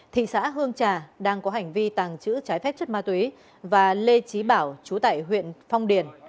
thị xã hương trà đang có hành vi tàng trữ trái phép chất ma túy và lê trí bảo chú tại huyện phong điền